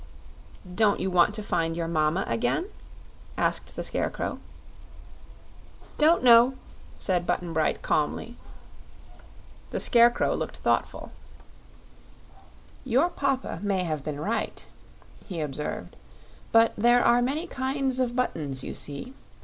"Don't you want to find your mama again?" asked the Scarecrow. "Don't know," said Button Bright, calmly. The Scarecrow looked thoughtful. "Your papa may have been right," he observed; "but there are many kinds of buttons, you see.